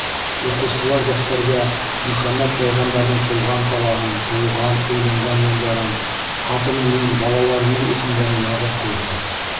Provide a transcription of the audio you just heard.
Уҡыусылар дәфтәргә Мөхәммәт пәйғәмбәрҙең тыуған ҡалаһын, тыуған, өйләнгән йылдарын, ҡатынының, балаларының исемдәрен яҙып ҡуйһын.